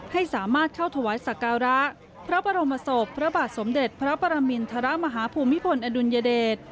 ให้สามารถเข้าถวายสักการะพระบรมศพพระบาทสมเด็จพระปรมินทรมาฮภูมิพลอดุลยเดช